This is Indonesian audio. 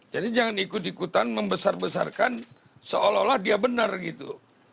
jadi jangan ikut ikutan membesar besarkan seolah olah dia benar gitu